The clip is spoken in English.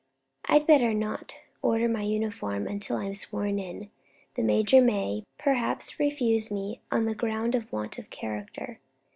I'd better not order my uniform until I am sworn in; the major may, perhaps, refuse me on the ground of want of character."